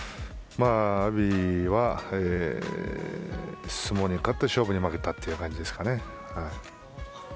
阿炎は相撲に勝って勝負には負けたという感じですかね。